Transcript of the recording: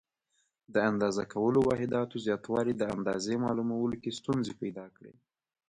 د اندازه کولو واحداتو زیاتوالي د اندازې معلومولو کې ستونزې پیدا کړې.